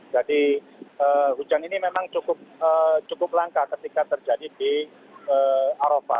jadi hujan ini memang cukup langka ketika terjadi di aropah